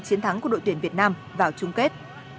chiến thắng của đội tuyển việt nam vào chung kết